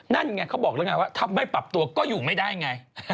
นั่นไงเขาบอกแล้วไงว่าถ้าไม่ปรับตัวก็อยู่ไม่ได้ไง